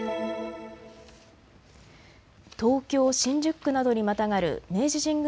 東京新宿区などにまたがる明治神宮